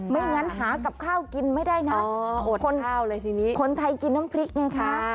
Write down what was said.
ไม่งั้นหากับข้าวกินไม่ได้นะคนไทยกินน้ำพริกไงคะ